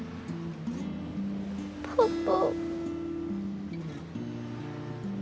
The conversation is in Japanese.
パパ。